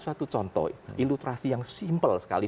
suatu contoh ilutrasi yang simpel sekali